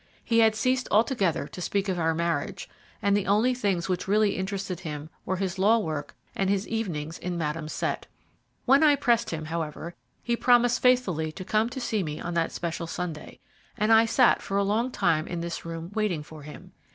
He had ceased altogether to speak of our marriage, and the only things which really interested him were his law work and his evenings in Madame's set. When I pressed him, however, he promised faithfully to come to see me on that special Sunday, and I sat for a long time in this room waiting for him.